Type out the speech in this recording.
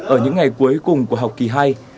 ở những ngày cuối cùng của học kỳ hai